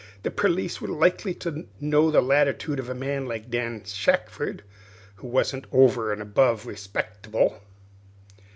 The perlice was likely to know the latitude of a man like Dan Shackford, who wasn't over an' above respecktible.